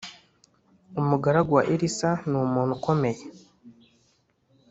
Umugaragu wa Elisa ni umuntu ukomeye